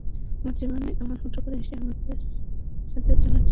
আমার জীবনে এমন হুট করে এসেই আমাকে সাথে চলার জন্য বলতে পারো না।